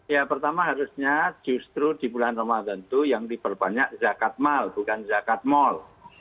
ya pertama harusnya justru di bulan ramadan itu yang diperbanyak zakat mal bukan zakat mal